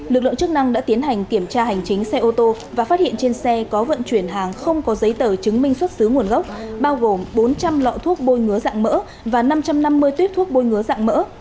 lực lượng chức năng đã tiến hành kiểm tra hành chính xe ô tô và phát hiện trên xe có vận chuyển hàng không có giấy tờ chứng minh xuất xứ nguồn gốc bao gồm bốn trăm linh lọ thuốc bôi ngứa dạng mỡ và năm trăm năm mươi tuyếp thuốc bôi ngứa dạng mỡ